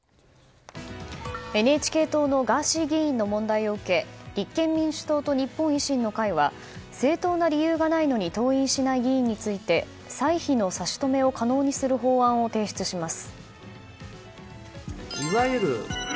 ＮＨＫ党のガーシー議員の問題受けて立憲民主党と日本維新の会は正当な理由がないのに登院しない議員について歳費の差し止めを可能にする法案を提出します。